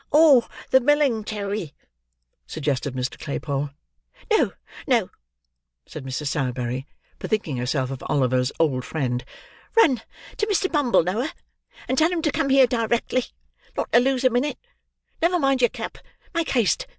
"Or the millingtary," suggested Mr. Claypole. "No, no," said Mrs. Sowerberry: bethinking herself of Oliver's old friend. "Run to Mr. Bumble, Noah, and tell him to come here directly, and not to lose a minute; never mind your cap! Make haste!